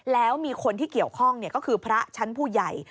แล้วมีคนที่เกี่ยวข้องก็คือพระชั้นผู้ใหญ่